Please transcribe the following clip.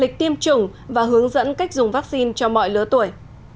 lịch tiêm chủng và hướng dẫn cách dùng vaccine cho mọi lứa tuổi